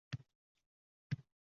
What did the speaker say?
Men ham lol edim.